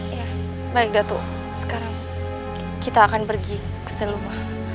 ya baik datu sekarang kita akan pergi ke seluma